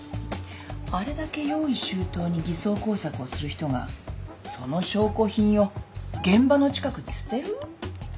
あれだけ用意周到に偽装工作をする人がその証拠品を現場の近くに捨てる？